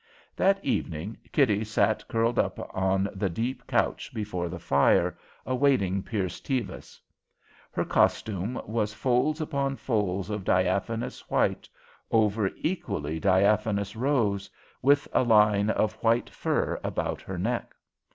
That evening Kitty sat curled up on the deep couch before the fire, awaiting Pierce Tevis. Her costume was folds upon folds of diaphanous white over equally diaphanous rose, with a line of white fur about her neck.